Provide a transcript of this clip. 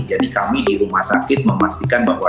jadi kami di rumah sakit memastikan bahwa